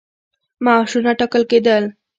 معاشونه ټاکل کېدل.